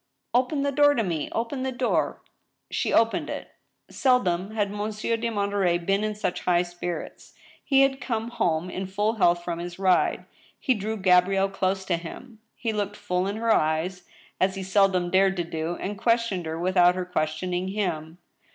" Open the door to me. Open the door !" She opened it. Seldom had Monsieur de Monterey been in such high spirits. He had come home in full health from his ride. He drew Gabrielle close to him. He looked full in her eyes, as he sel dom dared to do, and questioned her without her questioning him.